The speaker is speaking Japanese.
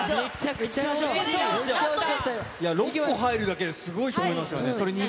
いや、６個入るだけですごいと思いますよね。